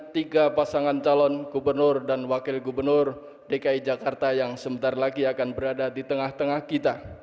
tiga pasangan calon gubernur dan wakil gubernur dki jakarta yang sebentar lagi akan berada di tengah tengah kita